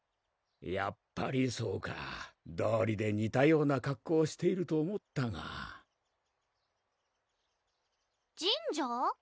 やっぱりそうか道理でにたような格好をしていると思ったがジンジャー？